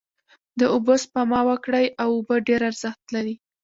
داوبوسپما وکړی او اوبه ډیر ارښت لری